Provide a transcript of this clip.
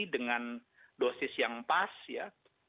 dengan dosis yang pas ya